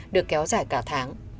được kéo dài cả tháng